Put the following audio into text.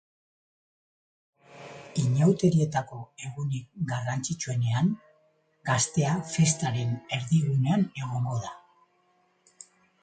Inauterietako egunik garrantzitsuenean, gaztea festaren erdigunean egongo da.